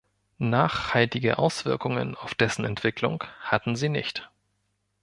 Nachhaltige Auswirkungen auf dessen Entwicklung hatten sie nicht.